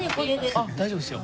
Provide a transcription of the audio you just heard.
あっ大丈夫ですよ。